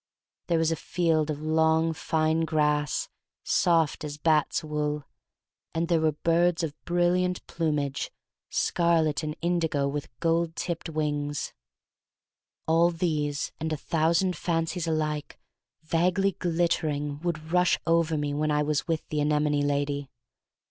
There was a field of long, fine grass, soft as bat's wool, and there were birds of brilliant plum age — scarlet and indigo with gold tipped wings. All these and a thousand fancies alike vaguely glittering would rush over me when I was with the anemone lady.